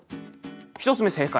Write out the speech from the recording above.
１つ目正解。